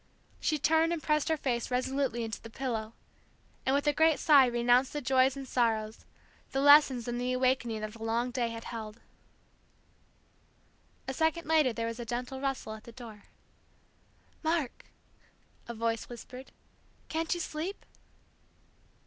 She turned and pressed her face resolutely into the pillow, and with a great sigh renounced the joys and sorrows, the lessons and the awakening that the long day had held. A second later there was a gentle rustle at the door. "Mark " a voice whispered. "Can't you sleep?"